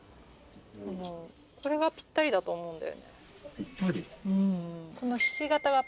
これがピッタリだと思うんだよね。